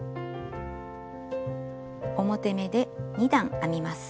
表目で２段編みます。